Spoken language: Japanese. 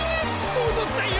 戻ったよ！